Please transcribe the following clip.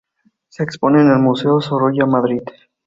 Se expone en el Museo Sorolla, Madrid.